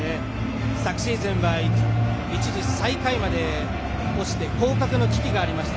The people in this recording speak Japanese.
昨シーズンは一時、最下位まで落ちて降格の危機がありました。